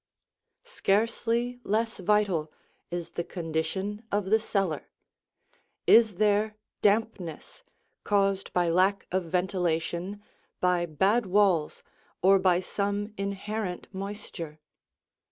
Scarcely less vital is the condition of the cellar. Is there dampness, caused by lack of ventilation, by bad walls, or by some inherent moisture?